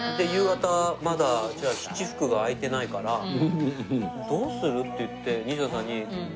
で夕方まだ七福が開いてないから「どうする？」って言って西田さんに。